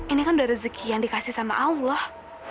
ini kan udah rezeki yang dikasih sama allah